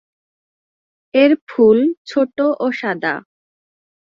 এর ফুল ছোট ও সাদা।